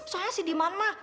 soalnya si diman mah